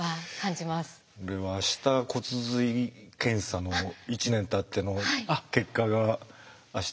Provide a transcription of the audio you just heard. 俺は明日骨髄検査の１年たっての結果が明日。